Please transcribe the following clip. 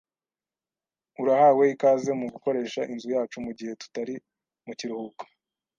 Urahawe ikaze mugukoresha inzu yacu mugihe tutari mukiruhuko.